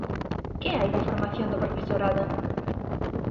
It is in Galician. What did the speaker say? ¿Que hai da formación do profesorado?